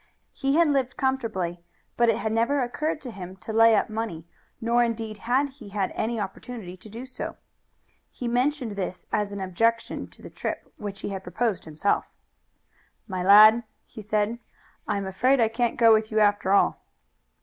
He had lived comfortably, but it had never occurred to him to lay up money, nor indeed had he had any opportunity to do so. He mentioned this as an objection to the trip which he had himself proposed. "My lad," he said, "I am afraid I can't go with you after all."